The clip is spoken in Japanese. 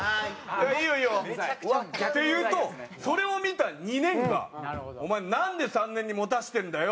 「いやいいよいいよ」って言うとそれを見た２年が「お前なんで３年に持たせてんだよ！」